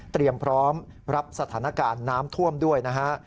พร้อมรับสถานการณ์น้ำท่วมด้วยนะฮะ